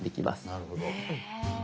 なるほど。